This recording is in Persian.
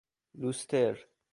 لوستر